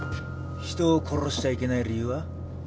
人を殺しちゃいけない理由は？